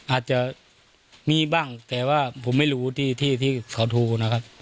อาจจะมีบ้างแต่ว่าผมไม่รู้ที่เขาโทรนะครับ